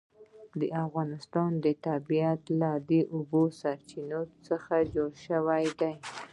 د افغانستان طبیعت له د اوبو سرچینې څخه جوړ شوی دی.